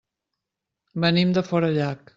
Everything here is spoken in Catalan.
Venim de Forallac.